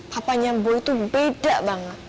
papanya boy tuh beda banget